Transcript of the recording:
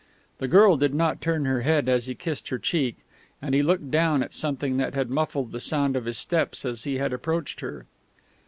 The girl did not turn her head as he kissed her cheek, and he looked down at something that had muffled the sound of his steps as he had approached her.